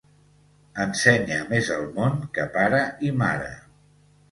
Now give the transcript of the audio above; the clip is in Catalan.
Ensenya més el món que pare i mare